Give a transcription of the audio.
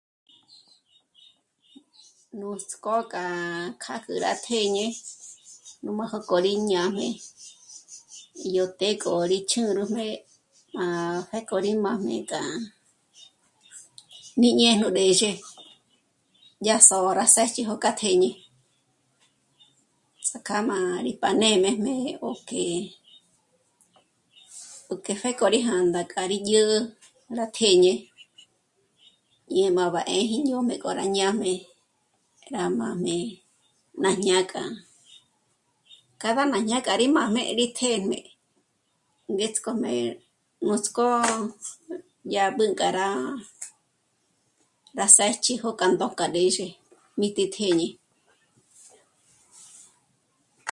Nuts'k'ó k'a rá... kjâk'u rá tjéñe nú májoko rí ñájm'e yó të́'ë k'o rí ch'ǘrüjmé má pjéko rí mā́jme k'a níjñé'e ró 'ë́xe, yá sô'o rá s'éch'i jó kjâ tjéñe. Ts'ák'a má rí páj nê'mejmé ó que... ó que pjéko rí jā̂ndā k'a rí dyä̀'ä rá tjéñe. Ñéj bá má 'ë́ji ñó'o mbékó rá ñâ'm'e, rá mā́jmé ná jñá'a k'a. Cada má ñá'a k'a rí mā́jmé tjéñejmé ngéts'k'ojme... nuts'k'ó yá b'ǘnk'a rá së́ch'i jó ndójk'a rë́xe mí tí tjéñe